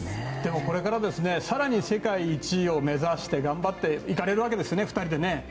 これから更に世界一を目指して頑張っていかれるわけですよね２人でね。